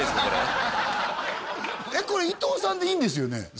これこれ伊藤さんでいいんですよね？